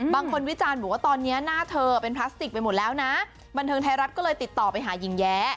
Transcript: วิจารณ์บอกว่าตอนนี้หน้าเธอเป็นพลาสติกไปหมดแล้วนะบันเทิงไทยรัฐก็เลยติดต่อไปหาหญิงแย้